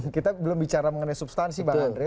kita belum bicara mengenai substansi bang andre